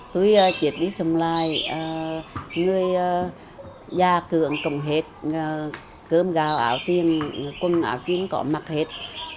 tôi chết đi sống lại người già cưỡng cộng hết cơm gạo ảo tiên quân ảo tiên có mặc hết